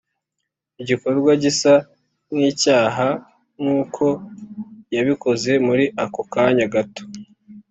igikorwa gisa nkicyaha nkuko yabikoze muri ako kanya gato